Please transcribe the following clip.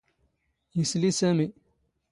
ⵉⵙⵍⵉ ⵙⴰⵎⵉ.